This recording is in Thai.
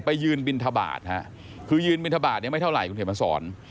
ไปยืนบินทบาทค่ะคือยืนบินทบาทเนี่ยไม่เท่าไรคุณเถพสอน